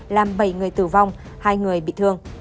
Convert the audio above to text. làm bảy người tử vong hai người bị thương